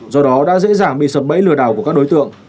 do đó đã dễ dàng bị sập bẫy lừa đảo của các đối tượng